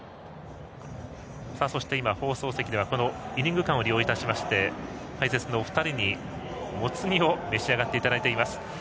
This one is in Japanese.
そして今、放送席ではイニング間を利用しまして解説のお二人に、もつ煮を召し上がっていただいています。